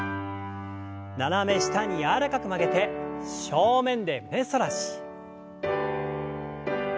斜め下に柔らかく曲げて正面で胸反らし。